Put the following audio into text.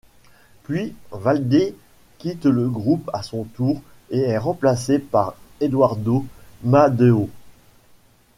Puis Valdez quitte le groupe à son tour et est remplacé par Eduardo Madeo.